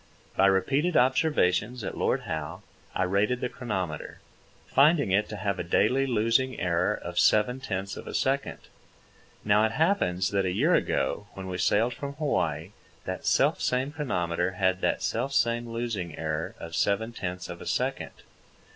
By repeated observations at Lord Howe I rated the chronometer, finding it to have a daily losing error of seven tenths of a second. Now it happens that a year ago, when we sailed from Hawaii, that selfsame chronometer had that selfsame losing error of seven tenths of a second.